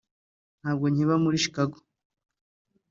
Ntabwo nkiba muri Chicago